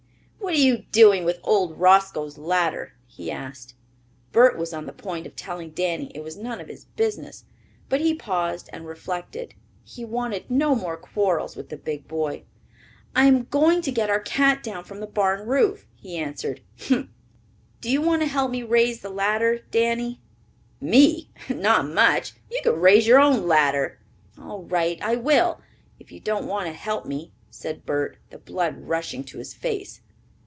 "What are you doing with old Roscoe's ladder?" he asked. Bert was on the point of telling Danny it was none of his business, but he paused and reflected. He wanted no more quarrels with the big boy. "I am going to get our cat down from the barn roof," he answered. "Humph!" "Do you want to help me raise the ladder, Danny?" "Me? Not much! You can raise your own ladder." "All right, I will, if you don't want to help me," said Bert, the blood rushing to his face.